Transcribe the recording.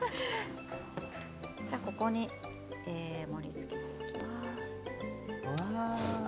ここに盛りつけていきます。